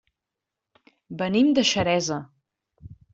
Venim de Xeresa.